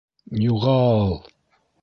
- Юға-а-ал!